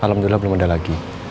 alhamdulillah belum ada lagi